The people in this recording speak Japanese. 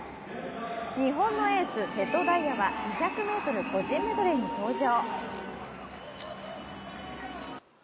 日本のエース・瀬戸大也は２００ｍ個人メドレーに登場。